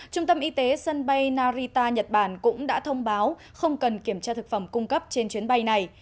trung tâm y tế sân bay narita nhật bản cũng đã thông báo không cần kiểm tra thực phẩm cung cấp trên chuyến bay này